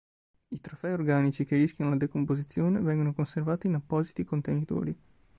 I trofei organici che rischiano la decomposizione vengono conservati in appositi contenitori.